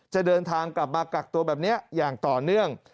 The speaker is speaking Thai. จะเดินทางกลับมากักตัวแบบนี้อย่างต่อเนื่อง